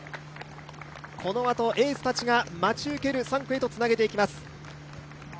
このあと、エースたちが待ち受ける３区へとつなげていきます。